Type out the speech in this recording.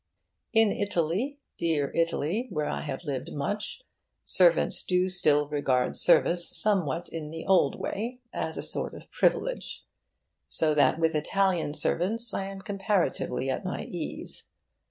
In Italy dear Italy, where I have lived much servants do still regard service somewhat in the old way, as a sort of privilege; so that with Italian servants I am comparatively at my ease.